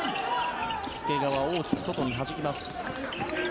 介川、大きく外にはじきます。